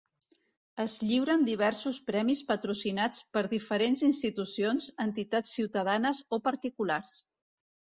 Es lliuren diversos premis patrocinats per diferents institucions, entitats ciutadanes o particulars.